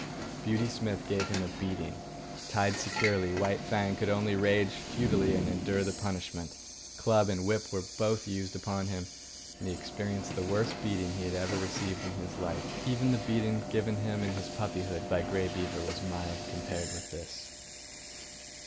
Beauty Smith gave him a beating. Tied securely, White Fang could only rage futilely and endure the punishment. Club and whip were both used upon him, and he experienced the worst beating he had ever received in his life. Even the big beating given him in his puppyhood by Grey Beaver was mild compared with this.